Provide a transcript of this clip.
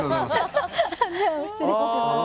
失礼します。